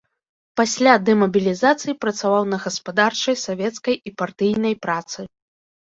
Пасля дэмабілізацыі працаваў на гаспадарчай, савецкай і партыйнай працы.